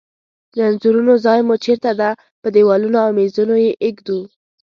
د انځورونو ځای مو چیرته ده؟ په دیوالونو او میزونو یی ایږدو